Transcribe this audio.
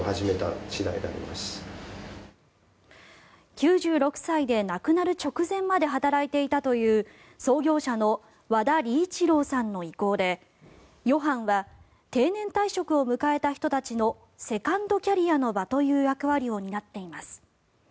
９６歳で亡くなる直前まで働いていたという創業者の和田利一郎さんの意向でヨハンは定年退職を迎えた人たちのセカンドキャリアの場という役割を担っています。